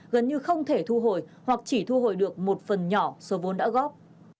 gần như không thể thu hồi hoặc chỉ thu hồi được một phần nhỏ số vốn đã góp